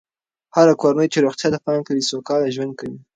هره کورنۍ چې روغتیا ته پام کوي، سوکاله ژوند کوي.